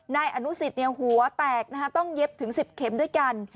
นายอนุสิตหัวแตกต้องเย็บถึง๑๐เข็มด้วยกัน